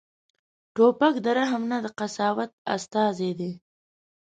توپک د رحم نه، د قساوت استازی دی.